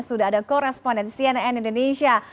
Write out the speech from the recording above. sudah ada koresponden cnn indonesia